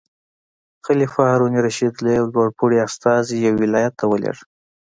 خلیفه هارون الرشید یو لوړ پوړی استازی یو ولایت ته ولېږه.